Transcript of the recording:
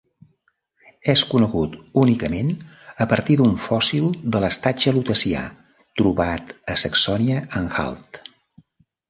És conegut únicament a partir d'un fòssil de l'estatge Lutecià, trobat a Saxònia-Anhalt.